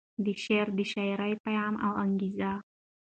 د شاعر د شعر پیغام او انګیزه